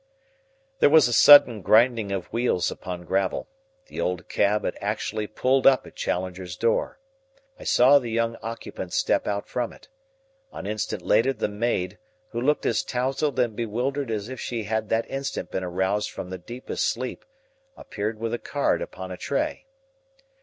There was a sudden grinding of wheels upon gravel. The old cab had actually pulled up at Challenger's door. I saw the young occupant step out from it. An instant later the maid, who looked as tousled and bewildered as if she had that instant been aroused from the deepest sleep, appeared with a card upon a tray.